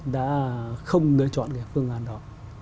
đã không lựa chọn cái phương án đó